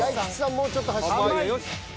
もうちょっと走って。